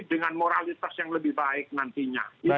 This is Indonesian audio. dengan moralitas yang lebih baik nantinya